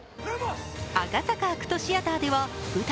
赤坂ＡＣＴシアターでは舞台